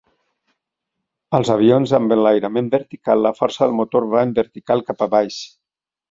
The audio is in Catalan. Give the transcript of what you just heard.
Als avions amb enlairament vertical la força del motor va en vertical cap a baix.